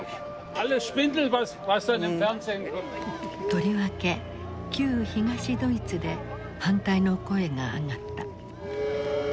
とりわけ旧東ドイツで反対の声が上がった。